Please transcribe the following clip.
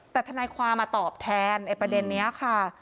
แต่ทนายความมาตอบแทนประเด็นนี้ค่ะ